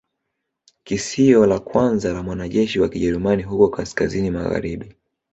Kisio la kwanza la mwanajeshi wa Kijerumani huko kaskazini magharibi